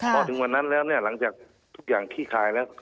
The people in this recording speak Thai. พอถึงวันนั้นแล้วเนี่ยหลังจากทุกอย่างขี้คายแล้ว